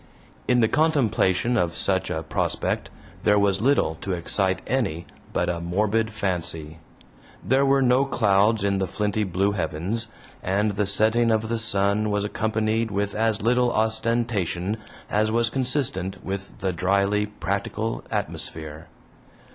In the contemplation of such a prospect there was little to excite any but a morbid fancy. There were no clouds in the flinty blue heavens, and the setting of the sun was accompanied with as little ostentation as was consistent with the dryly practical atmosphere.